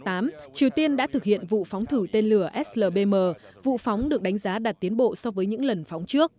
triều tiên đã thực hiện vụ phóng thử tên lửa slbm vụ phóng được đánh giá đạt tiến bộ so với những lần phóng trước